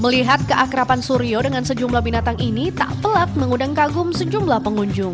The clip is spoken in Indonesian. melihat keakrapan suryo dengan sejumlah binatang ini tak pelak mengundang kagum sejumlah pengunjung